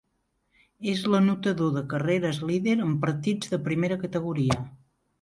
És l'anotador de carreres líder en partits de primera categoria.